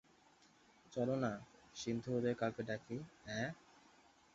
চলো না, সিন্ধু ওদের কাউকে ডাকি, অ্যাঁ?